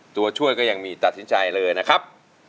ตัวช่วยก็ยังมีตัดสินใจเลยนะครับ